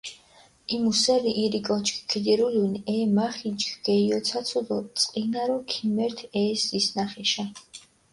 იმუ სერი ირი კოჩქჷ ქიდირულუნი, ე მახინჯქჷ გეიოცაცუ დი წყინარო ქიმერთ ე ზისჷნახეშა.